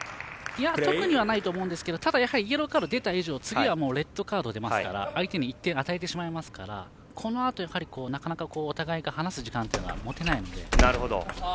特にはないと思うんですがただイエローカード出た以上次はもうレッドカード出ますから相手に１点与えてしまいますからこのあと、お互いが話す時間は持てないので。